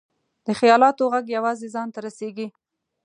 د خیالاتو ږغ یوازې ځان ته رسېږي.